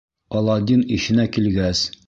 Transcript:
Аладдин иҫенә килгәс: